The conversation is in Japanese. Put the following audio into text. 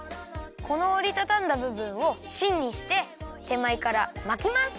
このおりたたんだぶぶんをしんにしててまえからまきます！